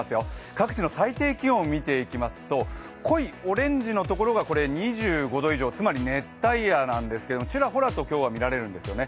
各地の最低気温を見ていきますと、濃いオレンジのところが２５度以上、つまり熱帯夜なんですけれども、ちらほらと今日は見られるんですよね。